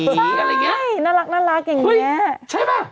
ใช่น่ารักอย่างนี้ใช่เปล่า